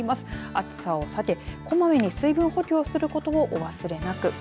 暑さを避け、こまめに水分補給をすることもお忘れなく。